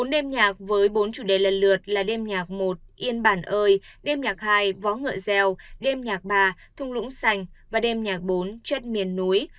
bốn đêm nhạc với bốn chủ đề lần lượt là đêm nhạc một yên bản ơi đêm nhạc hai vó ngựa gieo đêm nhạc ba thung lũng xanh và đêm nhạc bốn chất miền núi